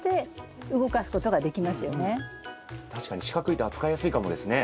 確かに四角いと扱いやすいかもですね。